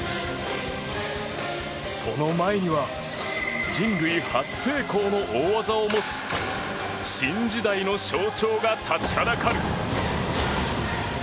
その前には人類初成功の大技を持つ新時代の象徴が立ちはだかる。